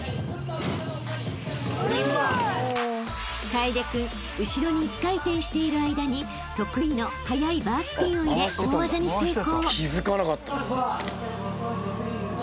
［楓君後ろに１回転している間に得意の速いバースピンを入れ大技に成功］